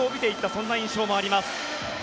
そんな印象もあります。